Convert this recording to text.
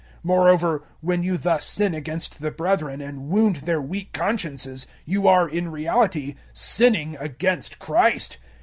008:012 Moreover when you thus sin against the brethren and wound their weak consciences, you are, in reality, sinning against Christ.